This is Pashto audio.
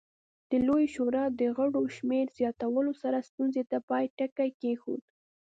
د لویې شورا د غړو شمېر زیاتولو سره ستونزې ته پای ټکی کېښود